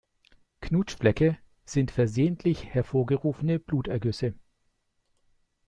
Knutschflecke sind versehentlich hervorgerufene Blutergüsse.